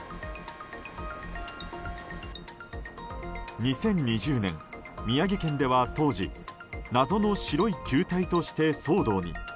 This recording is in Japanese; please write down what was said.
２０２０年、宮城県では当時謎の白い球体として騒動に。